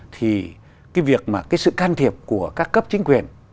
thì cái việc mà cái sự can thiệp của các cấp chính quyền